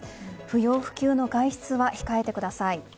不要不急の外出は控えてください。